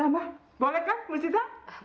hai hmm enak ya enak